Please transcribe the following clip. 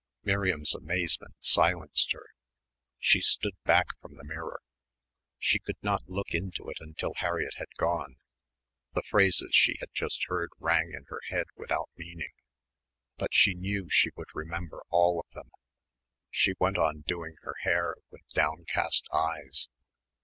Miriam's amazement silenced her. She stood back from the mirror. She could not look into it until Harriett had gone. The phrases she had just heard rang in her head without meaning. But she knew she would remember all of them. She went on doing her hair with downcast eyes.